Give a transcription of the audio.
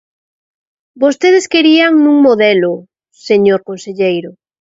Vostedes querían nun modelo, señor conselleiro.